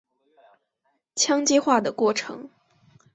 羟基化的过程。